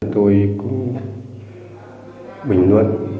tôi cũng bình luận